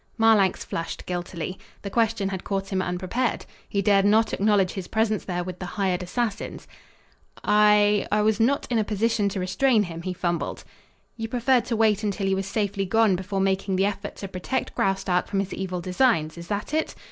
Marlanx flushed guiltily. The question had caught him unprepared. He dared not acknowledge his presence there with the hired assassins. "I I was not in a position to restrain him," he fumbled. "You preferred to wait until he was safely gone before making the effort to protect Graustark from his evil designs. Is that it?